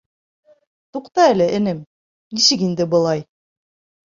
— Туҡта әле, энем, нисек инде былай...